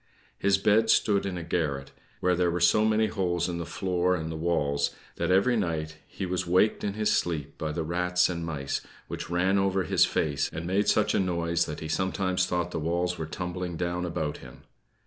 His bed stood in a garret, where there were so many holes in the floor and the walls, that every night he was waked in his sleep by the rats and mice, which ran over his face, and made such a noise that he sometimes thought the walls were tumbling down about him.